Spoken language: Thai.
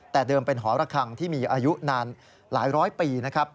แต่เดิมเป็นหอระคังที่มีอายุนานหลายร้อยปีนะครับ